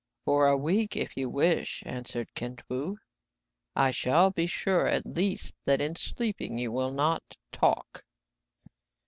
For a week if you wish," answered Kin Fo. " I shall be sure at least that in sleeping you will not talk."